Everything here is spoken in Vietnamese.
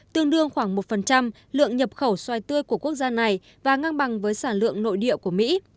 tương đương khoảng một lượng nhập khẩu xoài tươi của quốc gia này và ngang bằng với sản lượng nội địa của mỹ